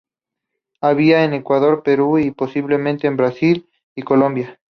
Habita en Ecuador, Perú y, posiblemente, en Brasil y Colombia.